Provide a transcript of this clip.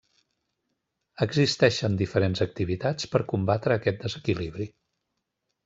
Existeixen diferents activitats per combatre aquest desequilibri.